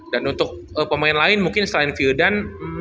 dan untuk pemain lain mungkin selain vildan